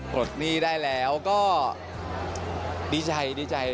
กดหนี้ได้แล้วก็ดีใจ